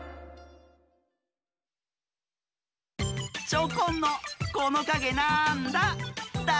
チョコンの「このかげなんだ？」